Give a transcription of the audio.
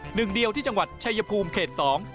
หนึ่งเดียวที่จังหวัดชายภูมิเขตสอง